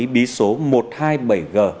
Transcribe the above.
bí số một trăm hai mươi bảy g